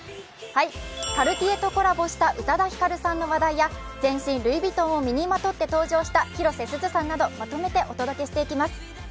カルティエとコラボした宇多田ヒカルさんの話題や全身ルイ・ヴィトンを身にまとって登場した広瀬すずさんなど、まとめてお届けしていきます。